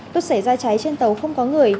tốt xảy ra cháy trên tàu không có người